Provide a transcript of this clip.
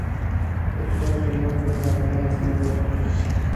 هیڅکله په ناسته چاته لاس مه ورکوه.